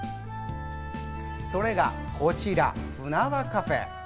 それがこちら、ふなわかふぇ。